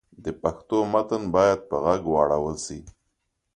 د پښتو متن باید په ږغ واړول شي.